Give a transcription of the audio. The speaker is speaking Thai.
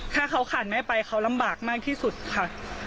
ถ้าเขาขาดแม่ไปเขาลำบากมากที่สุดค่ะ